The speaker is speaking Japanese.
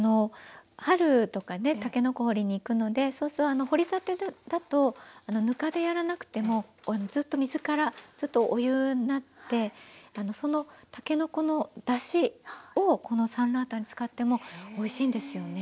春とかねたけのこ掘りに行くのでそうすると掘りたてだとぬかでやらなくてもずっと水からお湯になってそのたけのこのだしをこのサンラータンに使ってもおいしいんですよね。